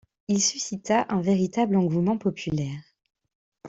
Il suscita un véritable engouement populaire.